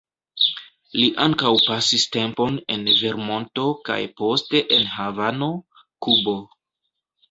Li ankaŭ pasis tempon en Vermonto kaj poste en Havano, Kubo.